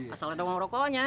asal ada uang rokoknya